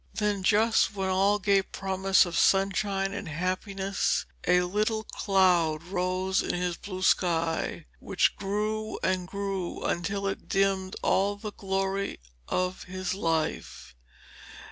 Then just when all gave promise of sunshine and happiness, a little cloud rose in his blue sky, which grew and grew until it dimmed all the glory of his life.